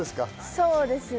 そうですね。